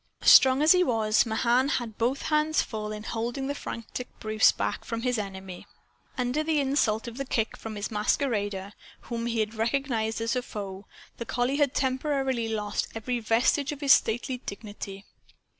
Strong as he was, Mahan had both hands full in holding the frantic Bruce back from his enemy. Under the insult of the kick from this masquerader, whom he had already recognized as a foe, the collie had temporarily lost every vestige of his stately dignity.